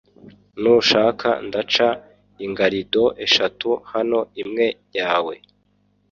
nushaka ndaca ingarido eshatu hano, imwe yawe,